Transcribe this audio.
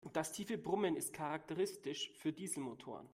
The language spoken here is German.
Das tiefe Brummen ist charakteristisch für Dieselmotoren.